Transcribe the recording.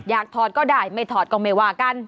ถอดก็ได้ไม่ถอดก็ไม่ว่ากัน